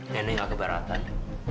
nenek enggak keberatan